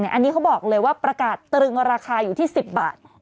อันนี้เขาบอกเลยว่าประกาศตรึงราคาอยู่ที่๑๐บาท